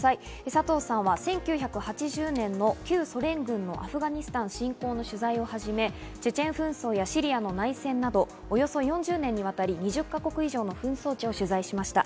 佐藤さんは１９８０年の旧ソ連軍のアフガニスタン侵攻の取材をはじめ、チェチェン紛争やシリアの内戦などおよそ４０年にわたり２０か国以上の紛争地を取材しました。